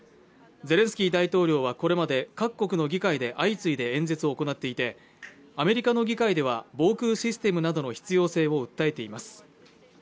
ゼレンスキー大統領はこれまで各国の議会で相次いで演説を行っていてアメリカの議会では防空システムなどの必要性を訴えています